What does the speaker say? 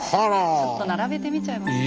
ちょっと並べてみちゃいました。